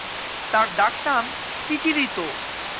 তার ডাক নাম চিচিরিতো।